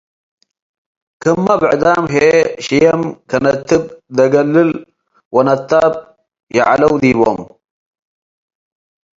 ክመ ብዕዳም ህይ ሽየም፡ ከነትብ፡ ደገልል ወነታብ ይዐለው ዲቦም ።